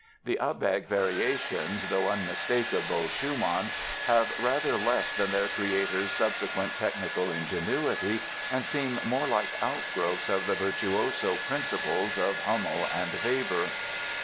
The "Abegg" Variations, though unmistakable Schumann, have rather less than their creator's subsequent technical ingenuity and seem more like outgrowths of the virtuoso principles of Hummel and Weber.